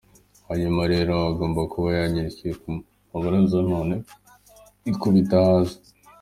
Hanyuma rero agomba kuba yanyereye ku mabaraza noneho yikubita hasi.